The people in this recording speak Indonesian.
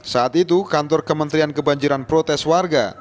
saat itu kantor kementerian kebanjiran protes warga